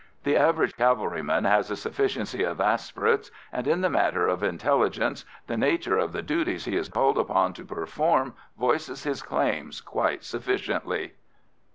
The average cavalryman has a sufficiency of aspirates, and, in the matter of intelligence, the nature of the duties he is called upon to perform voices his claims quite sufficiently.